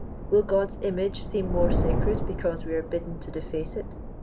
Will God's image seem more sacred because we are bidden to deface it